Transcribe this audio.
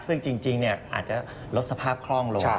ซึ่งจริงอาจจะลดสภาพคล่องลง